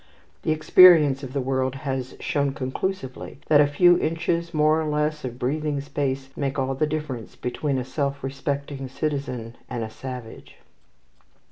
The experience of the world has shown conclusively that a few inches more or less of breathing space make all the difference between a self respecting citizen and a savage.